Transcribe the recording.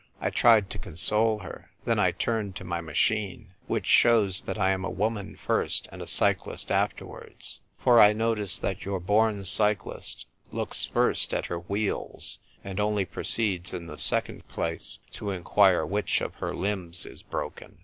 I tried to console her. Then I turned to my machine. Which shows that I am a woman first and a cyclist afterwards ; for I notice that your born cyclist looks first at her wheels, and only proceeds in the second place to enquire which of her limbs is broken.